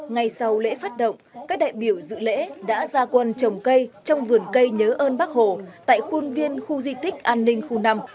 ngay sau lễ phát động các đại biểu dự lễ đã ra quân trồng cây trong vườn cây nhớ ơn bác hồ tại khuôn viên khu di tích an ninh khu năm